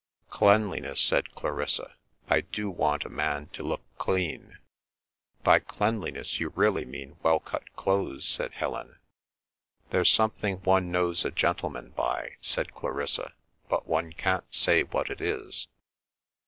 "Cleanliness!" said Clarissa, "I do want a man to look clean!" "By cleanliness you really mean well cut clothes," said Helen. "There's something one knows a gentleman by," said Clarissa, "but one can't say what it is."